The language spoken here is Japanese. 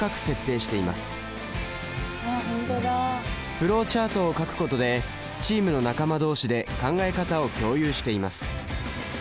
フローチャートを書くことでチームの仲間どうしで考え方を共有しています。